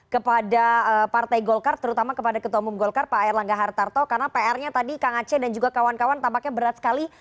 kepada partai golkar terutama kepada ketua umum golkar pak erlangga hartarto karena pr nya tadi kang aceh dan juga kawan kawan tampaknya berat sekali